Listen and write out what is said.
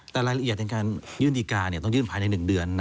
แต่รายละเอียดในการยื่นดีการต้องยื่นภายใน๑เดือน